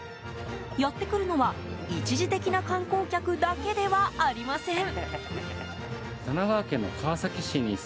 やってくるのは一時的な観光客だけではありません。